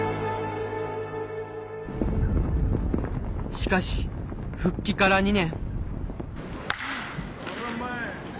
しかし復帰から２年。